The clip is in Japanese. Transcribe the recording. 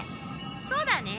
そうだね。